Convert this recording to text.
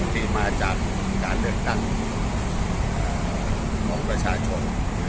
ที่มาจากการเลือกตั้งของประชาชน